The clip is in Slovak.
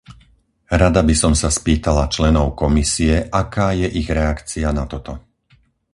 Rada by som sa spýtala členov Komisie, aká je ich reakcia na toto.